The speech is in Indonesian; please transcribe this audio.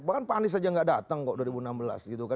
bahkan pak andis saja tidak datang kok dua ribu enam belas